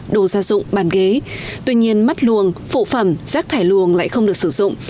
đồ gia dụng bàn ghế tuy nhiên mắt luồng phụ phẩm rác thải luồng lại không được sử dụng